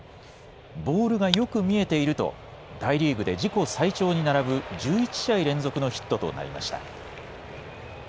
ボールがよく見えていると、大リーグで自己最長に並ぶ１１試合連続のヒットとなりました。